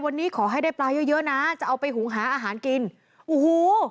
วันนี้ขอให้ได้ปลาเยอะเยอะนะจะเอาไปหุงหาอาหารกินโอ้โห